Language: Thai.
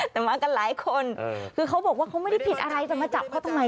แต่มากันหลายคนคือเขาบอกว่าเขาไม่ได้ผิดอะไรจะมาจับเขาทำไม